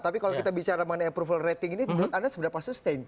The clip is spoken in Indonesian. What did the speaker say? tapi kalau kita bicara mengenai approval rating ini menurut anda seberapa sustain